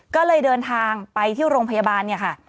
ก็เลยเดินทางไปที่โรงพยาบาล